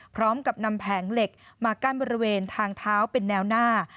พร้อมกับนำแผงเหล็กมากั้นบริเวณทางเท้าเป็นแนวหน้า